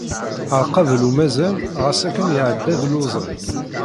Ar qabel u mazal ɣas akken iεebbaḍ lluẓen.